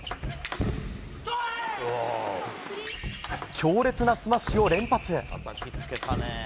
強烈なスマッシュを連発。